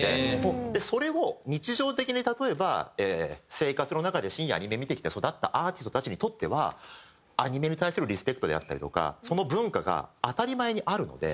それを日常的に例えば生活の中で深夜アニメ見てきて育ったアーティストたちにとってはアニメに対するリスペクトであったりとかその文化が当たり前にあるので。